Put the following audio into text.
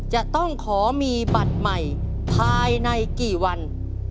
จะต้องขอมีบัตรใหม่ภายในกี่วัน